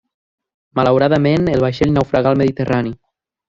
Malauradament el vaixell naufragà al Mediterrani.